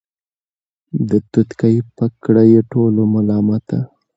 توتکۍ یې کړه په ټولو ملامته